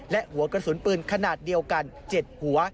และหัวกระสุนปืนขนาดเดียวกัน๗หัว